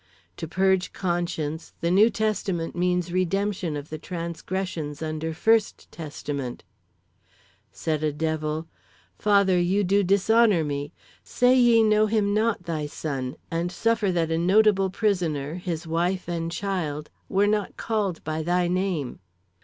"To purge conscience, the new testament means redemption of the transgressions under first testament. "Said a devil: 'Father, ye do dishonor me. Say ye know him not, thy son, and suffer that a notable prisoner, his wife and child, were not called by thy name.'